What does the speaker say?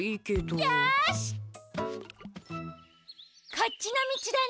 こっちのみちだね。